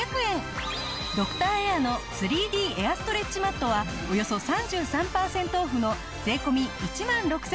ドクターエアの３Ｄエアストレッチマットはおよそ３３パーセントオフの税込１万６５００円。